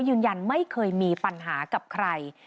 ยืนยันไม่เคยมีปัญหากับใคร